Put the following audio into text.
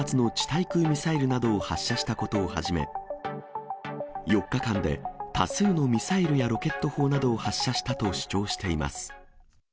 対空ミサイルなどを発射したことをはじめ、４日間で多数のミサイルやロケット砲などを発射したと主張しています。